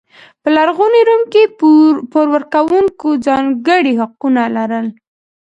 په لرغوني روم کې پور ورکوونکو ځانګړي حقونه لرل.